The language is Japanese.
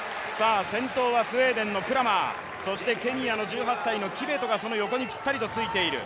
先頭はスウェーデンのクラマーそしてケニアの１８歳のキベトがその横にぴったりとくっついている。